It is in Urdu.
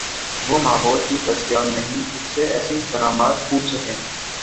وہ ماحول ہی دستیاب نہیں جس سے ایسی کرامات پھوٹ سکیں۔